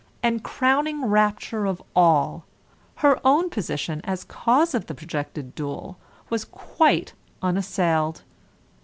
And, crowning rapture of all, her own position as cause of the projected duel was quite unassailed.